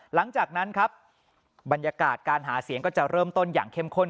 หลังจากนั้นครับบรรยากาศการหาเสียงก็จะเริ่มต้นอย่างเข้มข้น